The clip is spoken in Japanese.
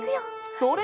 それ！